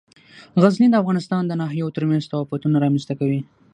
غزني د افغانستان د ناحیو ترمنځ تفاوتونه رامنځ ته کوي.